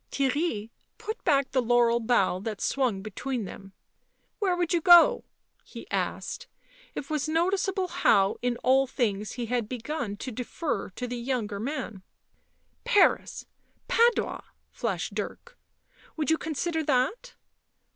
Theirry put back the laurel bough that swung between them. " Where would you go?" he asked; it was noticeable how in all things he had begun to defer to the younger man. " Paris ! Padua !" flashed Dirk. " Would you con sider that